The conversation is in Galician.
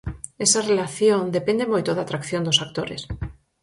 Esa relación depende moito da atracción dos actores.